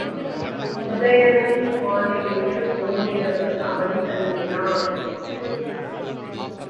உதயணன் மாளிகையில் ஒரிரவு அவள் தங்கினாள்.